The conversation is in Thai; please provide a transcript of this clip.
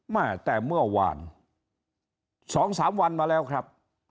แม่แต่เมื่อวาน๒๓วันมาแล้วครับ